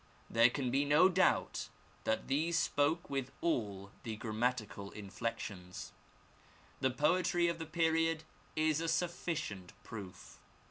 There can be no doubt that these spoke with all the grammatical inflections. The poetry of the period is a sufficient proof.